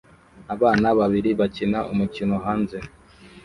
Abana babiri bakina umukino hanze